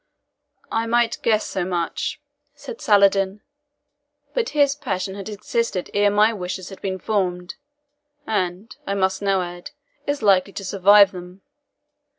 "I might guess so much," said Saladin; "but his passion had existed ere my wishes had been formed and, I must now add, is likely to survive them.